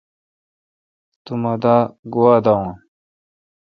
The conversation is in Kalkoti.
تو مہ دا گوا داون۔